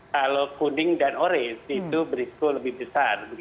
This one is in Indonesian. kalau kuning dan orange itu berisiko lebih besar